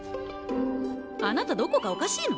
あなたどこかおかしいの？